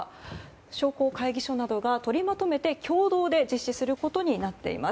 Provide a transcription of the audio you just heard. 商工会議所などが取りまとめて共同で実施することになっています。